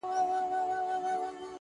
تاله کوم ځایه راوړي دا کیسې دي -